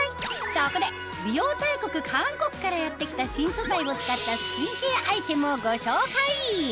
そこで美容大国韓国からやって来た新素材を使ったスキンケアアイテムをご紹介！